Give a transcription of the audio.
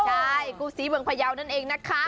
ใช่คู่ซีเมืองพยาวนั่นเองนะคะ